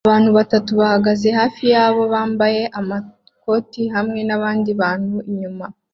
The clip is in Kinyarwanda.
abantu batatu bahagaze hafi yabo bambaye amakoti hamwe nabandi bantu inyuma